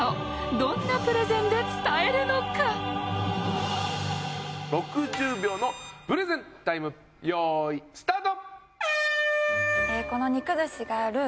どんなプレゼンで伝えるのか６０秒のプレゼンタイム用意スタート！